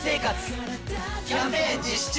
キャンペーン実施中！